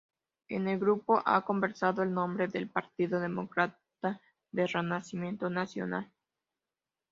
El nuevo grupo ha conservado el nombre del Partido Demócrata del Renacimiento Nacional.